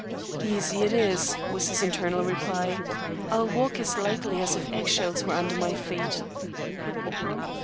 "Easy it is," was his internal reply. "I'll walk as lightly as if eggshells were under my feet."